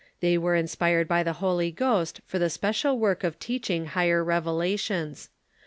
They were inspired by the Holy Ghost for the special work of teaching higher revelations.